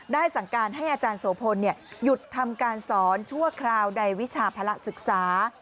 สั่งการให้อาจารย์โสพลหยุดทำการสอนชั่วคราวในวิชาภาระศึกษา